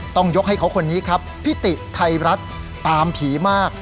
ต้องยกให้เขาคนนี้ครับพิติไทยรัฐตามผีมาก